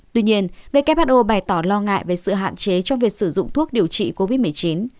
tuy nhiên who bày tỏ lo ngại về sự hạn chế trong việc sử dụng thuốc điều trị covid một mươi chín